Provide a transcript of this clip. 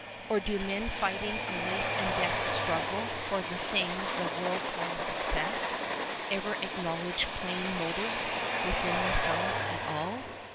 Or do men fighting a life and death struggle for the thing the world calls success ever acknowledge plain motives within themselves at all?